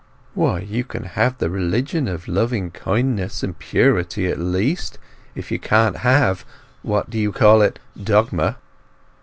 "Why, you can have the religion of loving kindness and purity at least, if you can't have—what do you call it—dogma."